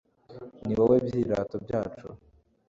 ni wo byirato byacu